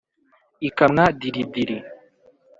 ikamwa diri diri